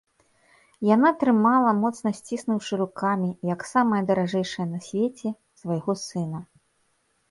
Яна трымала, моцна сціснуўшы рукамі, як самае даражэйшае на свеце, свайго сына.